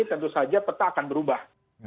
tentu saja peta akan berubah